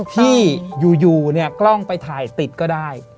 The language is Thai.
ที่อยู่เนี่ยกล้องไปถ่ายติดก็ได้